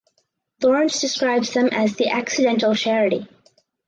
Lawrence describes them as "the accidental charity".